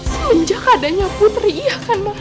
semenjak adanya putri iya kan ma